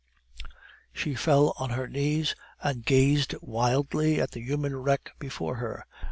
She fell on her knees, and gazed wildly at the human wreck before her.